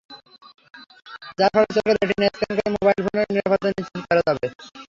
যার ফলে চোখের রেটিনা স্ক্যান করে মোবাইল ফোনের নিরাপত্তা নিশ্চিত করা যাবে।